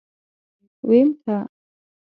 ويم که.